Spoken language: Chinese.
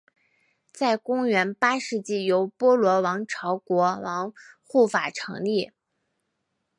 在公元八世纪由波罗王朝国王护法成立。